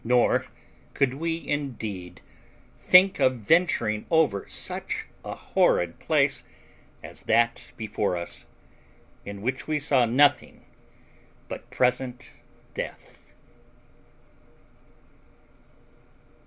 Nor could we indeed think of venturing over such a horrid place as that before us, in which we saw nothing but present death.